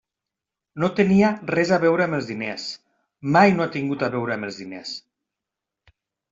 No tenia res a veure amb els diners, mai no ha tingut a veure amb els diners.